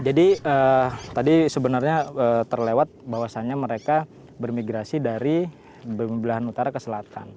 jadi tadi sebenarnya terlewat bahwasannya mereka bermigrasi dari belahan utara ke selatan